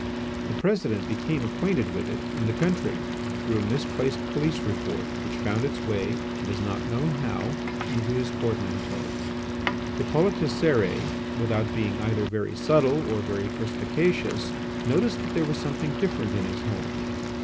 The President became acquainted with it in the country, through a misplaced police report which found its way, it is not known how, into his portmanteau. Hippolyte Cérès, without being either very subtle, or very perspicacious, noticed that there was something different in his home.